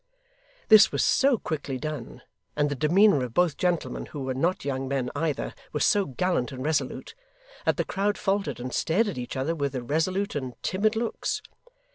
This was so quickly done, and the demeanour of both gentlemen who were not young men either was so gallant and resolute, that the crowd faltered and stared at each other with irresolute and timid looks.